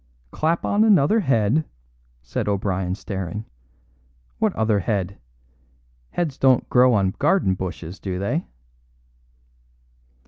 "Clap on another head!" said O'Brien staring. "What other head? Heads don't grow on garden bushes, do they?"